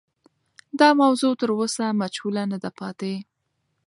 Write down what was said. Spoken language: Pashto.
دا موضوع تر اوسه مجهوله نه ده پاتې.